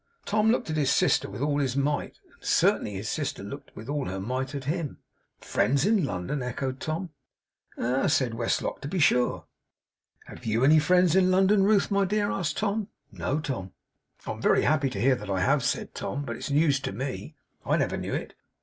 Tom looked at his sister with all his might; and certainly his sister looked with all her might at him. 'Friends in London!' echoed Tom. 'Ah!' said Westlock, 'to be sure.' 'Have YOU any friends in London, Ruth, my dear!' asked Tom. 'No, Tom.' 'I am very happy to hear that I have,' said Tom, 'but it's news to me. I never knew it.